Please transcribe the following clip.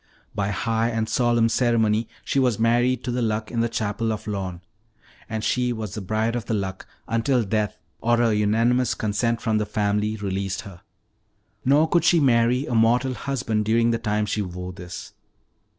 By high and solemn ceremony she was married to the Luck in the chapel of Lorne. And she was the Bride of the Luck until death or a unanimous consent from the family released her. Nor could she marry a mortal husband during the time she wore this."